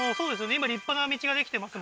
今立派な道ができてます